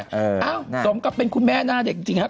เอ้าสมกับเป็นคุณแม่หน้าเด็กจริงครับ